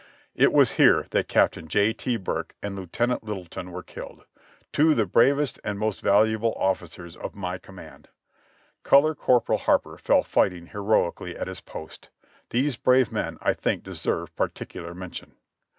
"It v. as here that Captain J. T. Burke and Lieutenant Littleton were killed, two the bravest and most valuable officers of my command. Color Corporal Harper fell fighting heroically at his post. These brave men I think deserve particular mention.